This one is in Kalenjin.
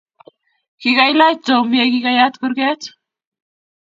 Kikailach tom ye kikayaat kurket